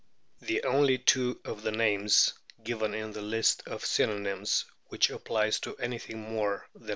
The only two of the names given in the list of synonyms which applies to anything more than a * Mamm.